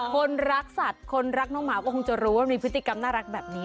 คนรักสัตว์คนรักน้องหมาก็คงจะรู้ว่ามีพฤติกรรมน่ารักแบบนี้